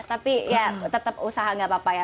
tapi ya tetep usaha gapapa ya